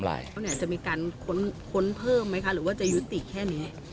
จะมีการค้นเพิ่มไหมคะหรือว่าจะยุติแค่นี้